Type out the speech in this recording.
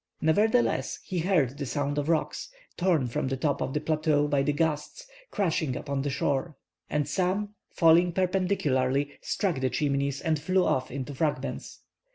Nevertheless, he heard the sound of rocks, torn from the top of the plateau by the gusts, crashing upon the shore. And some, falling perpendicularly, struck the Chimneys and flew off into fragments.